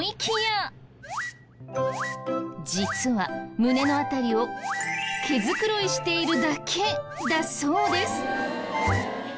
実は胸の辺りを毛づくろいしているだけだそうです。